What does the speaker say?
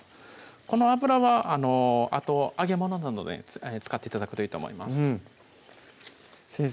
この油は揚げ物などに使って頂くといいと思います先生